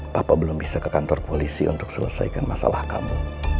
bapak belum bisa ke kantor polisi untuk selesaikan masalah kamu